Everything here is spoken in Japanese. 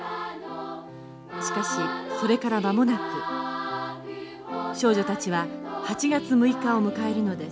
しかしそれから間もなく少女たちは８月６日を迎えるのです。